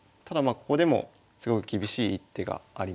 ここでもすごく厳しい一手があります。